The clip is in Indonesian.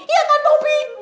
iya kan bomi